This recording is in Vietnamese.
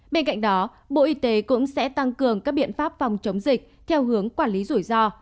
bên cạnh đó bộ y tế cũng sẽ tăng cường các biện pháp phòng chống dịch theo hướng quản lý rủi ro